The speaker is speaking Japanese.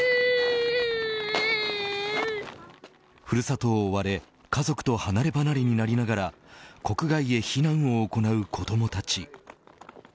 ふるさとを追われ家族と離ればなれになりながら国外へ避難を行う子どもたち。